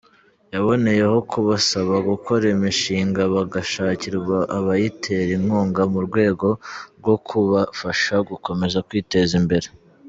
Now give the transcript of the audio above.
Yaboneyeho kubasaba gukora imishinga bagashakirwa abayitera inkunga mu rwego rwo kubafasha gukomeza kwiteza imbere.